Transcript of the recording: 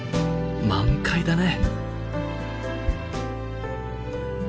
満開だね。